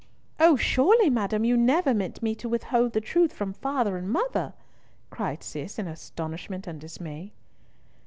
"O, surely, madam, you never meant me to withhold the truth from father and mother," cried Cis, in astonishment and dismay.